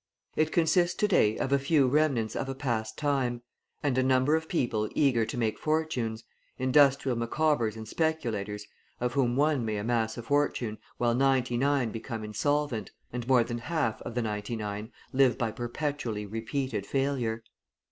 It consists to day of a few remnants of a past time, and a number of people eager to make fortunes, industrial Micawbers and speculators of whom one may amass a fortune, while ninety nine become insolvent, and more than half of the ninety nine live by perpetually repeated failure.